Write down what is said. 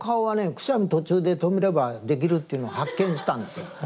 くしゃみ途中で止めればできるっていうの発見したんですよ。